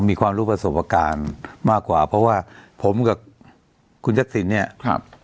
มีความรู้ประสบการณ์มากกว่าเพราะว่าผมกับคุณทักษิณเนี่ยครับ